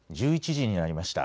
１１時になりました。